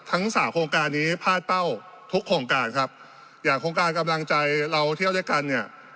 ทั้งสามโครงการนี้พลาดเป้าทุกโครงการครับอย่างโครงการกำลังใจเราเที่ยวด้วยกันเนี่ย